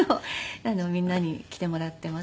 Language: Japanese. みんなに来てもらっています。